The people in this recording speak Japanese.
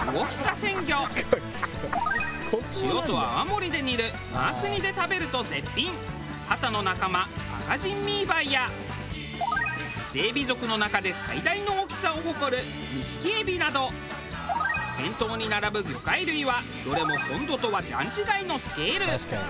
塩と泡盛で煮るマース煮で食べると絶品ハタの仲間あかじんミーバイやイセエビ属の中で最大の大きさを誇るニシキエビなど店頭に並ぶ魚介類はどれも本土とは段違いのスケール。